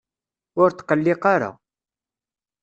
Ur tqelliq ara.